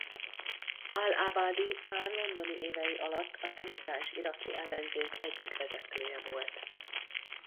Al-Abadi már londoni évei alatt az emigráns iraki ellenzék egyik vezetője volt.